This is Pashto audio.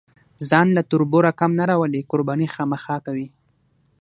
ځان له تربوره کم نه راولي، قرباني خامخا کوي.